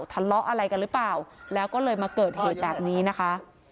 ทะเลาะอะไรกันหรือเปล่าแล้วก็เลยมาเกิดเหตุแบบนี้นะคะ